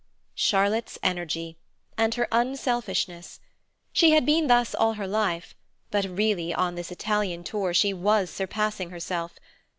Charlotte's energy! And her unselfishness! She had been thus all her life, but really, on this Italian tour, she was surpassing herself.